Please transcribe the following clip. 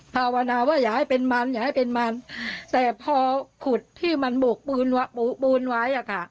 พาวนาว่าอย่าให้เป็นมันแต่พอขุดที่มันโบกบวนไว้